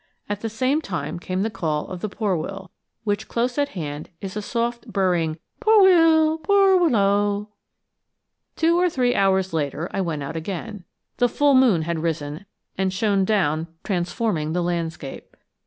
At the same time came the call of the poor will, which, close at hand, is a soft burring poor will, poor wil' low. Two or three hours later I went out again. The full moon had risen, and shone down, transforming the landscape.